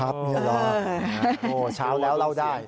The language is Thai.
นี่นี่นี่นี่นี่